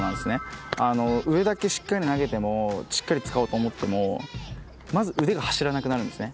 上だけしっかり投げてもしっかり使おうと思ってもまず腕が走らなくなるんですね。